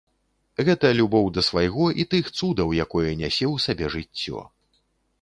Гэта любоў да свайго і тых цудаў, якое нясе ў сабе жыццё.